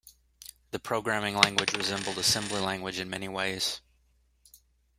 The programming language resembled assembly language in many ways.